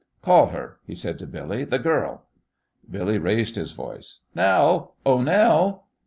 "Call her," he said to Billy, "th' girl." Billy raised his voice. "Nell! Oh, Nell!"